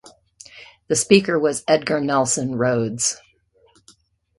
The Speaker was Edgar Nelson Rhodes.